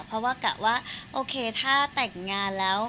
เพราะว่ากะว่าโอเคถ้าแต่งงานแล้ว